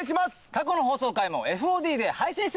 過去の放送回もＦＯＤで配信してます。